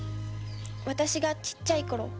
私がちっちゃいころ。